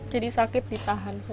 jadi sakit ditahan saja